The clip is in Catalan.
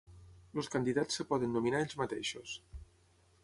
Els candidats es poden nominar a ells mateixos.